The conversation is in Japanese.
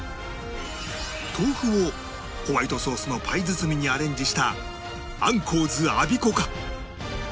豆腐をホワイトソースのパイ包みにアレンジしたアンコウズアビコか？